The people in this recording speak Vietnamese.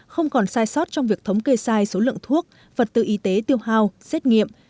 không còn sai sót trong việc thống kê sai số lượng thuốc vật tư y tế tiêu hao xét nghiệm